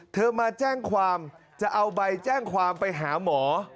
มาแจ้งความจะเอาใบแจ้งความไปหาหมอ